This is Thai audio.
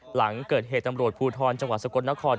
หลังเกิดเหตุตำรวจภูทรจังหวัดสกลนคร